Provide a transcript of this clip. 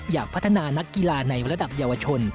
อยากพัฒนานักกีฬาในระดับเยาวชน